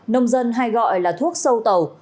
nông dân hay gọi là thuốc sâu tàu